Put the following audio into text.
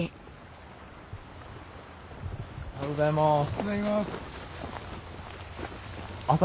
おはようございます。